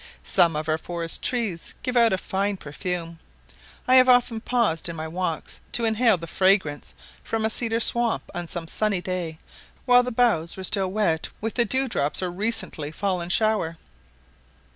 Some of our forest trees give out a fine perfume. I have often paused in my walks to inhale the fragrance from a cedar swamp on some sunny day while the boughs were still wet with the dew drops or recently fallen shower.